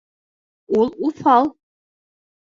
Ул уҫал!